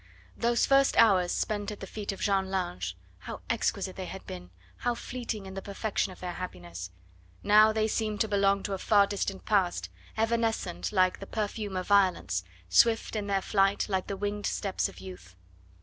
Those first hours spent at the feet of Jeanne Lange, how exquisite they had been, how fleeting in the perfection of their happiness! Now they seemed to belong to a far distant past, evanescent like the perfume of violets, swift in their flight like the winged steps of youth.